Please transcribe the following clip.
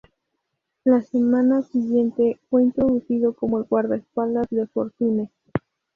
La semana siguiente, fue introducido como el guardaespaldas de Fortune.